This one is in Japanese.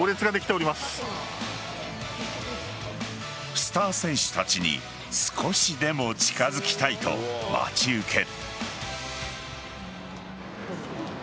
スター選手たちに少しでも近づきたいと待ち受ける。